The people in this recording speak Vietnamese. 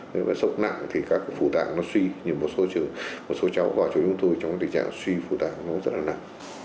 nếu mà sốc nặng thì các phụ tạng nó suy như một số cháu qua chỗ chúng tôi trong tình trạng suy phụ tạng nó rất là nặng